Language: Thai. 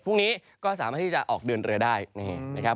พรุ่งนี้ก็สามารถที่จะออกเดินเรือได้นี่นะครับ